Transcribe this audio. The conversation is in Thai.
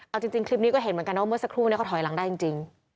เอาจริงคลิปนี้ก็เห็นเหมือนกันว่าเมื่อสักครู่เขาถอยหลังได้จริง